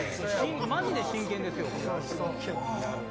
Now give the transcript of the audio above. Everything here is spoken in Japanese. マジで真剣ですよ。